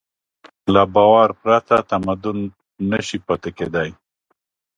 له باور پرته تمدن نهشي پاتې کېدی.